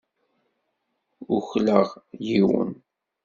Ukleɣ yiwen.